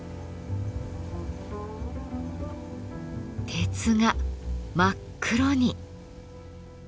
鉄が真っ黒に！